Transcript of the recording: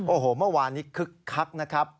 โอ้โหเมื่อวานนี้คึกคักนะครับ